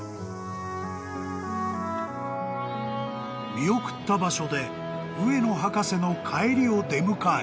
［見送った場所で上野博士の帰りを出迎え］